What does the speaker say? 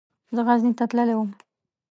زه غزني ته تللی وم.